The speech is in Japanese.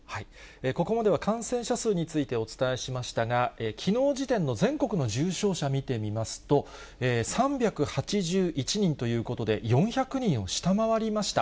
ここまでは感染者数についてお伝えしましたが、きのう時点の全国の重症者見てみますと、３８１人ということで、４００人を下回りました。